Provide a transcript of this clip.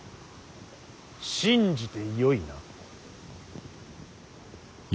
信じてよいな。